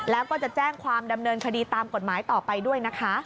แล้วก็จะแจ้งความดำเนินคดีตามกฎหมายต่อไปด้วยนะคะ